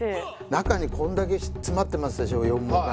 中にこんだけ詰まってますでしょ羊毛が。